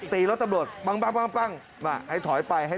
ตีรถตำรวจปั้งมาให้ถอยไปให้